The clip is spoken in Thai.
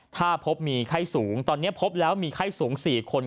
ถ้าพบมีไข้สูงตอนนี้พบแล้วมีไข้สูง๔คน